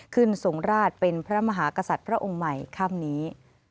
ทรงราชเป็นพระมหากษัตริย์พระองค์ใหม่ค่ำนี้